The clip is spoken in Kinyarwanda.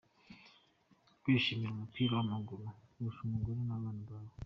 Kwishimira umupira w’amaguru kurusha umugore n’abana bawe.